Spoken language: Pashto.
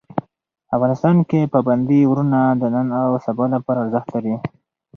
افغانستان کې پابندي غرونه د نن او سبا لپاره ارزښت لري.